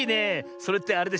それってあれでしょ。